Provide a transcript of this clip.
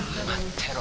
てろ